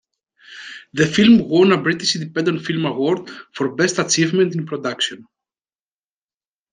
The film won a British Independent Film Award for Best Achievement in Production.